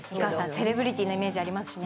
セレブリティーなイメージありますしね